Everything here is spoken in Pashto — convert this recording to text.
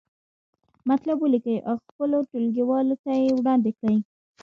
مطلب ولیکئ او خپلو ټولګیوالو ته یې وړاندې کړئ.